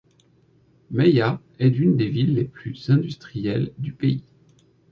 Maia est une des villes les plus industrielles du pays.